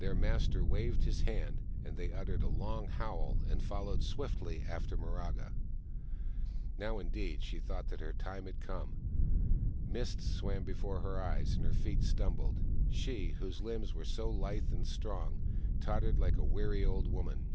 Their master waved his hand, and they uttered a long howl and followed swiftly after Miraga. Now, indeed, she thought that her end had come. Mists swam before her eyes, and her feet stumbled : she, whose limbs were so lithe and strong, tottered like a weary old woman.